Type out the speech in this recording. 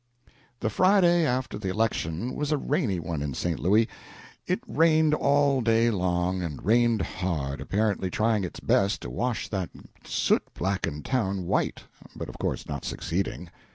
The Friday after the election was a rainy one in St. Louis. It rained all day long, and rained hard, apparently trying its best to wash that soot blackened town white, but of course not succeeding.